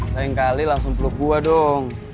lain kali langsung peluk gue dong